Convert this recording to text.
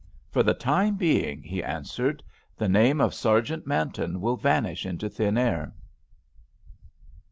"For the time being," he answered, "the name of Sergeant Manton will vanish into thin air."